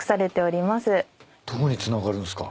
どこにつながるんすか？